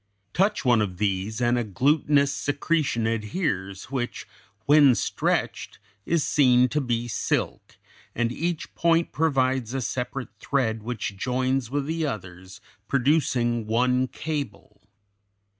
Touch one of these and a glutinous secretion adheres, which when stretched is seen to be silk, and each point provides a separate thread which joins with the others, producing one cable.